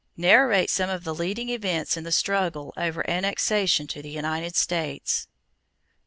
Narrate some of the leading events in the struggle over annexation to the United States.